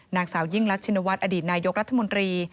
นางสาวยิ่งรักชินวัฒน์อดีตนายกรัฐมนตรี